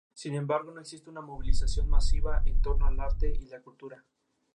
Las disputaron los cuatro vencedores de cuartos, emparejados por sorteo puro.